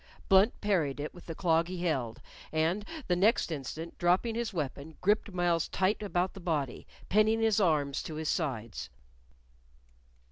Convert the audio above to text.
Blunt parried it with the clog he held, and the next instant, dropping his weapon, gripped Myles tight about the body, pinning his arms to his sides.